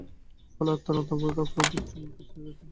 ফলে আত্মার অনন্ততা উপলব্ধির সময় পিছাইয়া যায়।